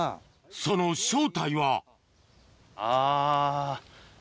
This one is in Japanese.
その正体はあ。